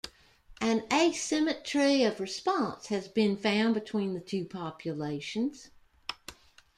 An asymmetry of response has been found between the two populations.